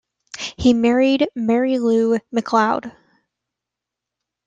He married Mary Lou MacLeod.